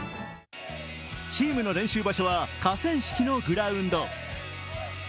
チームの練習場所は河川敷のグラウンド。